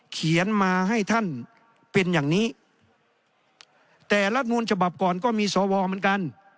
เขียนมาให้ท่านเป็นอย่างนี้แต่รัฐมูลฉบับก่อนก็มีสวเหมือนกัน